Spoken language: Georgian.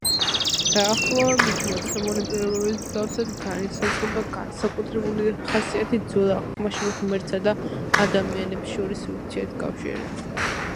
დაახლოებით მოცემული პირობების მსგავსად განისაზღვრება განსაკუთრებული ხასიათი ძველ აღთქმაში ღმერთსა და ადამიანებს შორის ურთიერთკავშირი.